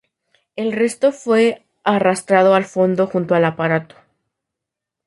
El resto fue arrastrado al fondo junto al aparato.